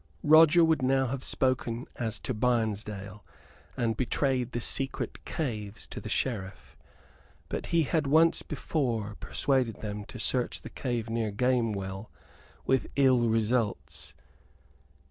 Roger would have now spoken as to Barnesdale, and betrayed the secret caves to the Sheriff; but he had once before persuaded them to search the cave near Gamewell, with ill results.